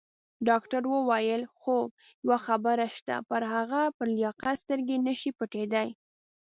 ډاکټر وویل: خو یوه خبره شته، پر هغه پر لیاقت سترګې نه شي پټېدای.